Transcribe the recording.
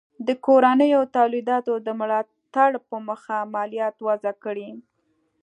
د کورنیو تولیداتو د ملاتړ په موخه مالیات وضع کړي.